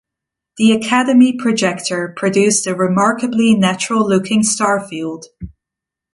The Academy Projector produced a remarkably natural-looking star field.